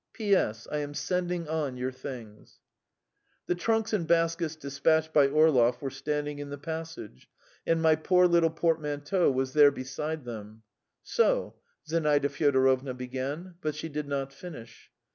"P. S. I am sending on your things." The trunks and baskets despatched by Orlov were standing in the passage, and my poor little portmanteau was there beside them. "So ..." Zinaida Fyodorovna began, but she did not finish.